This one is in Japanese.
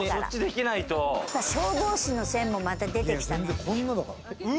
消防士の線もまた出てきたね。